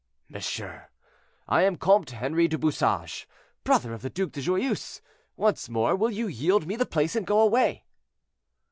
"Monsieur, I am Comte Henri du Bouchage, brother of the Duc de Joyeuse. Once more, will you yield me the place, and go away?"